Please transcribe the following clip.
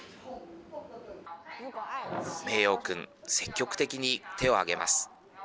名洋くん積極的に手を挙げます。